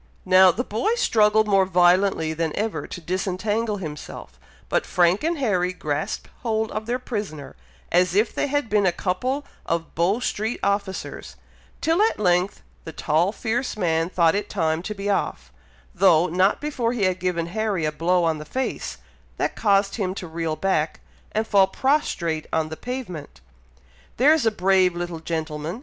Now, the boy struggled more violently than ever to disentangle himself, but Frank and Harry grasped hold of their prisoner, as if they had been a couple of Bow Street officers, till at length the tall fierce man thought it time to be off, though not before he had given Harry a blow on the face, that caused him to reel back, and fall prostrate on the pavement. "There's a brave little gentleman!"